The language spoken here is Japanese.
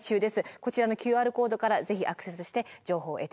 こちらのＱＲコードからぜひアクセスして情報を得て下さい。